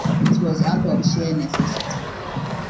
It was out of sheer necessity.